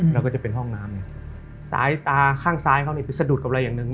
แล้วก็จะเป็นห้องน้ำเนี่ยสายตาข้างซ้ายเขาเนี่ยไปสะดุดกับอะไรอย่างหนึ่ง